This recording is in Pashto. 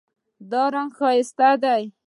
دا رنګ ښایسته دی